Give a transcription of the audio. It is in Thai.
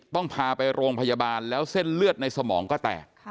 ต้องพาไปโรงพยาบาลแล้วเส้นเลือดในสมองก็แตก